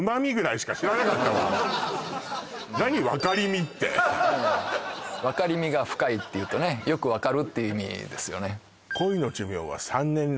「わかりみ」って「わかりみが深い」っていうとねよくわかるっていう意味ですよね